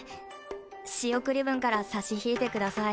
仕送り分から差し引いてください